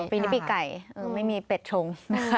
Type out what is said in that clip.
ปีนี้ปีไก่เออไม่มีแปดชง